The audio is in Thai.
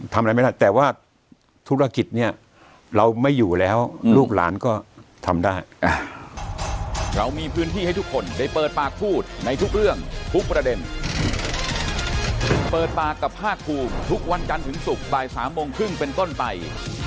ทำอะไรไม่ได้แต่ว่าธุรกิจเนี่ยเราไม่อยู่แล้วลูกหลานก็ทำได้